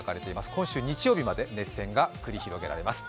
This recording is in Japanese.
今週日曜日まで熱戦が繰り広げられます。